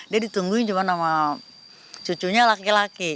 dia ditungguin cuma sama cucunya laki laki